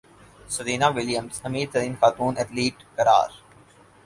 Serena Williams امیر ترین خاتون ایتھلیٹ قرار